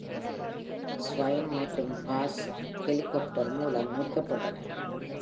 Swine மற்றும் ஹைர்ஸ் helicopter மூலம் மீட்கப்பட்டனர்.